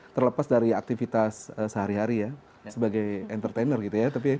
terlepas dari aktivitas sehari hari ya sebagai entertainer gitu ya